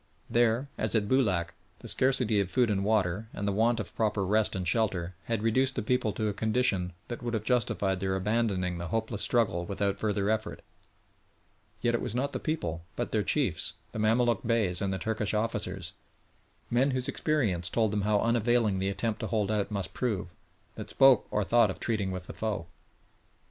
There, as at Boulac, the scarcity of food and water, and the want of proper rest and shelter, had reduced the people to a condition that would have justified their abandoning the hopeless struggle without further effort; yet it was not the people, but their chiefs the Mamaluk Beys and the Turkish officers men whose experience told them how unavailing the attempt to hold out must prove, that spoke or thought of treating with the foe.